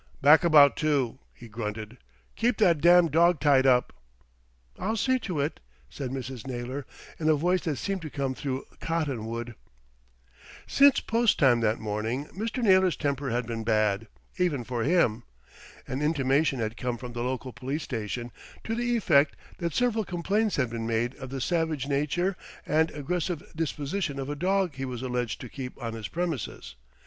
"Back about two," he grunted. "Keep that damned dog tied up." "I'll see to it," said Mrs. Naylor in a voice that seemed to come through cotton wool. Since post time that morning Mr. Naylor's temper had been bad, even for him. An intimation had come from the local police station to the effect that several complaints had been made of the savage nature and aggressive disposition of a dog he was alleged to keep on his premises.